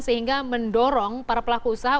sehingga mendorong para pelaku usaha